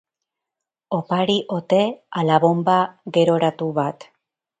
Opari ote, ala bonba geroratu bat?